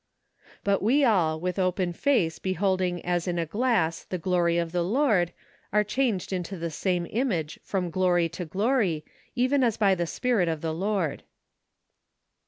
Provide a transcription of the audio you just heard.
" But we all, with open face beholding as in a glass the glory of the Lord, are changed into the same image from glory to glory, even as by the spirit of the Lord